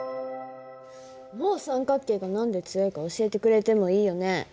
もう三角形が何で強いか教えてくれてもいいよね。